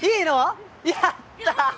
やったー！